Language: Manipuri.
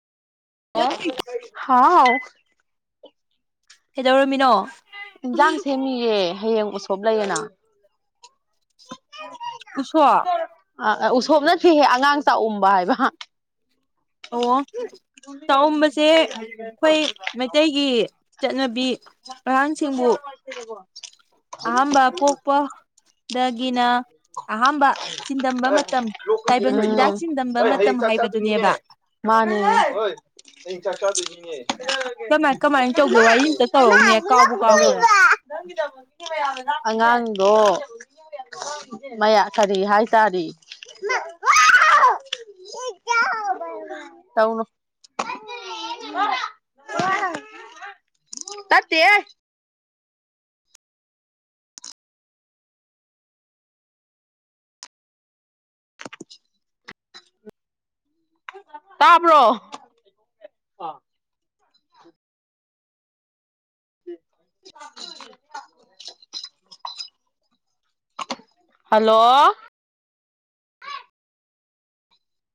ꯍ ꯍꯥꯎꯥꯎ ꯀꯩꯗꯧꯔꯝꯃꯤꯅꯣ ꯏꯟꯁꯥꯡ ꯁꯦꯝꯃꯤꯌꯦꯦ ꯍꯌꯦꯡ ꯎꯁꯣꯞ ꯂꯩꯌꯦꯅ ꯀꯁ ꯑ ꯎꯁꯣꯝꯅꯠꯇꯍꯦ ꯑꯉꯥꯡ ꯆꯥꯛꯎꯝꯕ ꯍꯥꯏꯕ ꯑ ꯆꯥꯛꯝꯕꯁꯦ ꯑꯩꯈꯣꯏ ꯃꯩꯇꯩꯒꯤ ꯆꯠꯅꯕꯤ ꯌꯥ ꯃꯥꯏꯇꯔꯕꯣ ꯑꯍꯝꯕ ꯄꯣꯛꯄꯗꯒꯤꯅ ꯑꯍꯝꯕ ꯆꯟꯗꯝꯕ ꯃꯇꯝ ꯇꯥꯏꯕꯪ ꯆꯤꯟꯖꯥꯛ ꯎꯝ ꯆꯟꯗꯝꯝꯕ ꯃꯇꯝ ꯍꯥꯏꯕꯗꯨꯅꯦꯕ ꯃꯥꯅꯤ ꯇꯧꯔꯛꯅꯦ ꯀꯥꯎꯕ ꯀꯥꯎꯈ꯭ꯔꯦ ꯑꯉꯥꯡꯗꯣ ꯃꯌꯥ ꯀꯔꯤ ꯍꯥꯏꯇꯥꯔꯦ ꯇꯅ ꯇ ꯇ [unintelligible] ꯇꯕ꯭ꯔꯣ ꯎꯝ ꯍꯂꯣ